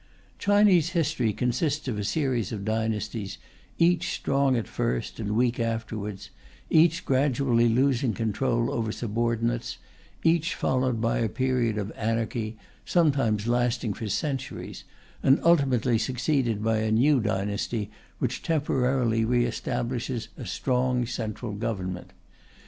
Chinese history consists of a series of dynasties, each strong at first and weak afterwards, each gradually losing control over subordinates, each followed by a period of anarchy (sometimes lasting for centuries), and ultimately succeeded by a new dynasty which temporarily re establishes a strong Central Government.